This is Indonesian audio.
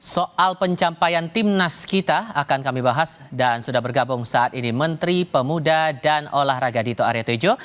soal pencapaian timnas kita akan kami bahas dan sudah bergabung saat ini menteri pemuda dan olahraga dito aryo tejo